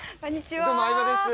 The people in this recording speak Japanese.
どうも相葉です